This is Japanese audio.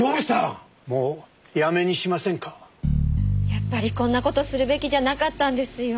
やっぱりこんな事するべきじゃなかったんですよ。